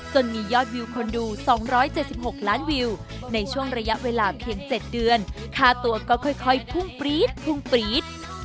มียอดวิวคนดู๒๗๖ล้านวิวในช่วงระยะเวลาเพียง๗เดือนค่าตัวก็ค่อยพุ่งปรี๊ดพุ่งปรี๊ด